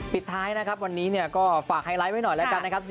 ปิดท้ายนะครับวันนี้ก็ฝากไฮไลท์ไว้หน่อยแล้วกันนะครับ